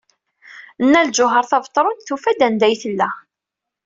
Nna Lǧuheṛ Tabetṛunt tufa-d anda ay tella.